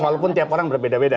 walaupun tiap orang berbeda beda